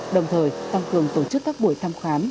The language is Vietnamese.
đồng thời tăng cường tổ chức các buổi thăm khám